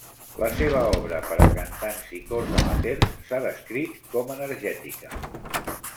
La seva obra per a cantants i cors amateurs s'ha descrit com energètica.